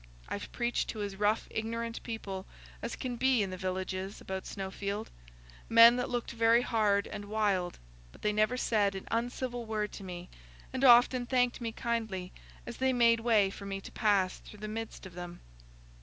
I've preached to as rough ignorant people as can be in the villages about Snowfield—men that looked very hard and wild—but they never said an uncivil word to me, and often thanked me kindly as they made way for me to pass through the midst of them."